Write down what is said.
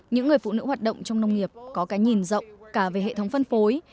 những người phụ nữ hoạt động trong nông nghiệp có cái nhìn rộng cả về hệ thống phân phối